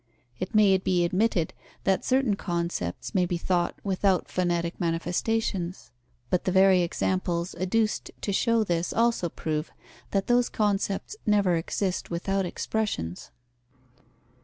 It may be admitted that certain concepts may be thought without phonetic manifestations. But the very examples adduced to show this also prove that those concepts never exist without expressions.